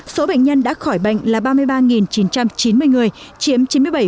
số bệnh nhân đã khỏi bệnh là ba mươi ba chín trăm chín mươi người chiếm chín mươi bảy